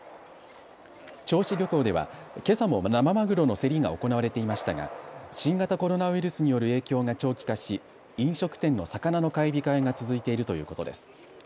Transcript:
銚子漁港ではけさも生マグロの競りが行われていましたが新型コロナウイルスによる影響が長期化し飲食店の魚の買い控えが続いているということです。